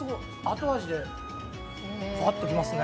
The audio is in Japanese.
後味でパッときますね。